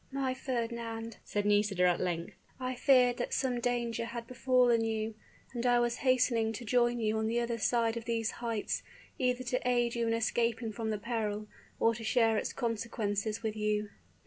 "My Fernand," said Nisida at length, "I feared that some danger had befallen you, and I was hastening to join you on the other side of these heights, either to aid you in escaping from the peril, or to share its consequences with you."